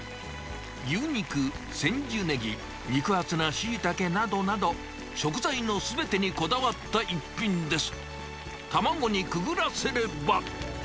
牛肉、センジュネギ、肉厚なシイタケなどなど、食材のすべてにこだわった逸品です。